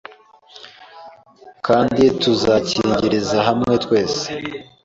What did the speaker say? kandi tuzakirangiriza hamwe twese